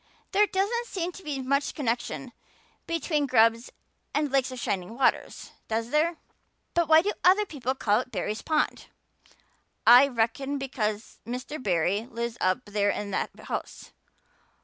There doesn't seem to be much connection between grubs and lakes of shining waters, does there? But why do other people call it Barry's pond?" "I reckon because Mr. Barry lives up there in that house.